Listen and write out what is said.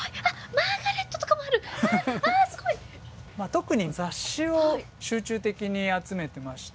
特に雑誌を集中的に集めてまして。